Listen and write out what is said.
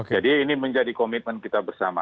jadi ini menjadi komitmen kita bersama